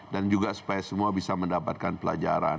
dan juga supaya semua bisa mendapatkan pelajaran